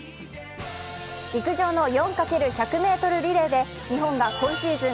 陸上の４×１００ｍリレーで日本が今シーズン